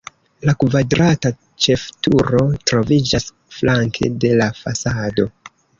La kvadrata ĉefturo troviĝas flanke de la fasado.